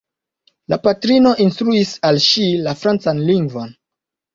La patrino instruis al ŝi la francan lingvon.